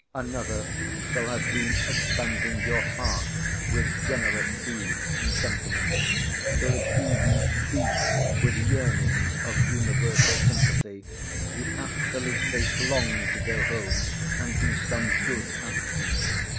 Another shall have been expanding your heart with generous deeds and sentiments, till it even beats with yearnings of universal sympathy; you absolutely long to go home, and do some good action.